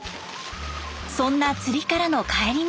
そんな釣りからの帰り道。